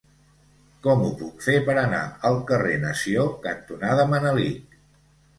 Com ho puc fer per anar al carrer Nació cantonada Manelic?